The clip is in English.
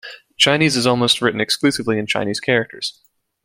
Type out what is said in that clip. Chinese is written almost exclusively in Chinese characters.